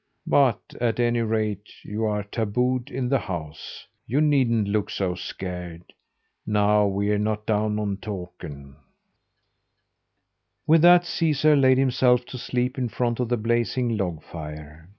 But, at any rate, you are tabooed in the house. You needn't look so scared. Now, we're not down on Takern." With that Caesar laid himself to sleep in front of the blazing log fire.